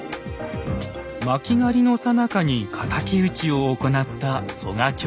巻狩のさなかに敵討ちを行った曽我兄弟。